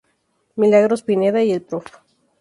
Milagros Pineda y el Prof.